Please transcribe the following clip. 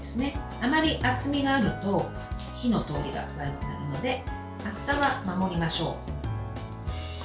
あまり厚みがあると火の通りが悪くなるので厚さは守りましょう。